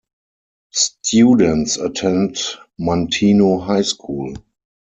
Students attend Manteno High School.